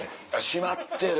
「閉まってる！」。